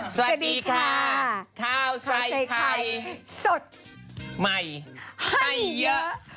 สวัสดีค่ะข้าวใส่ไข่สดใหม่ให้เยอะ